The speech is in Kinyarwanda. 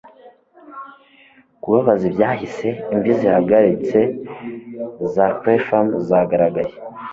kubabaza ibyahise - imvi zihagaritse za clapham zagaragaye